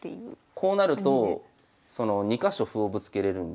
こうなると２か所歩をぶつけれるんで。